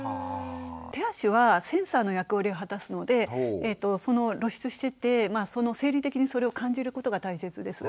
手足はセンサーの役割を果たすので露出してて生理的にそれを感じることが大切です。